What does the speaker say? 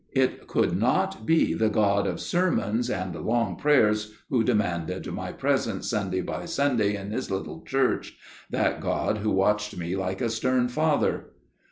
It could not be the God of sermons and long prayers who demanded my presence Sunday by Sunday in His little church, that God Who watched me like a stern father.